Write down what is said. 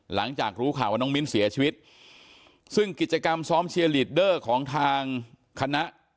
หลังจากรู้ข่าวว่าน้องมิ้นเสียชีวิตซึ่งกิจกรรมซ้อมเชียร์ลีดเดอร์ของทางคณะ